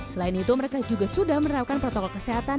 selain itu mereka juga sudah menerapkan protokol kesehatan